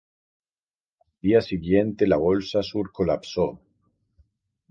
Al día siguiente la bolsa sur colapsó.